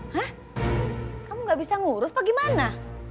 hah kamu gak bisa ngurus apa gimana